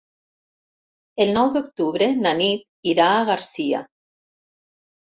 El nou d'octubre na Nit irà a Garcia.